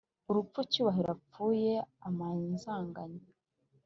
urupfu cyubahiro apfuye amanzaganya